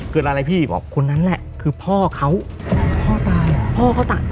เกิดอะไรพี่บอกคนนั้นแหละคือพ่อเขาพ่อตายพ่อเขาตาย